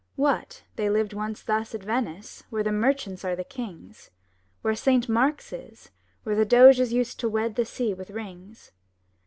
What! they lived once thus at Venice where the merchants were the kings, Where Saint Mark's is, where the Doges used to wed the sea with rings?